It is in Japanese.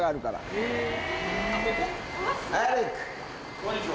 こんにちは。